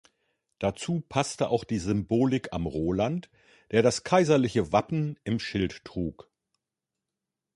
Dazu passte auch die Symbolik am Roland, der das kaiserliche Wappen im Schild trug.